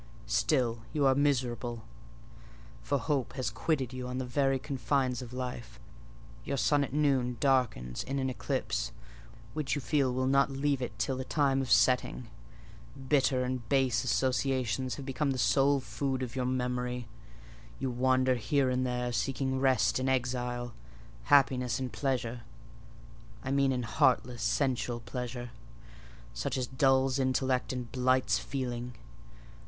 Still you are miserable; for hope has quitted you on the very confines of life: your sun at noon darkens in an eclipse, which you feel will not leave it till the time of setting. Bitter and base associations have become the sole food of your memory: you wander here and there, seeking rest in exile: happiness in pleasure—I mean in heartless, sensual pleasure—such as dulls intellect and blights feeling.